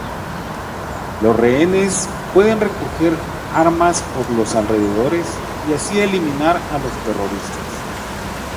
Los rehenes pueden recoger armas por los alrededores y así eliminar a los terroristas.